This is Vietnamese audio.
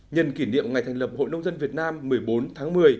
nhân kỷ niệm ngày thành lập hội nông dân việt nam một mươi bốn tháng một mươi